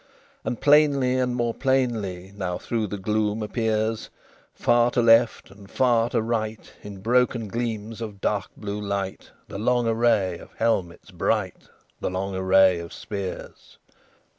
And plainly and more plainly Now through the gloom appears, Far to left and far to right, In broken gleams of dark blue light, The long array of helmets bright, The long array of spears.